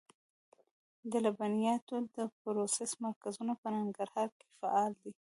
د لبنیاتو د پروسس مرکزونه په ننګرهار کې فعال دي.